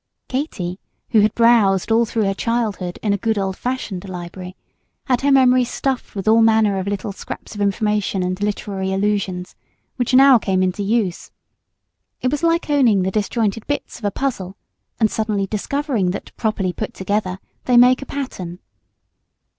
Katy, who had "browsed" all through her childhood in a good old fashioned library, had her memory stuffed with all manner of little scraps of information and literary allusions, which now came into use. It was like owning the disjointed bits of a puzzle, and suddenly discovering that properly put together they make a pattern.